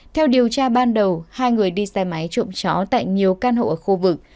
theo điều tra ban đầu hai người đi xe máy trộm chó tại nhiều căn hộ ở khu vực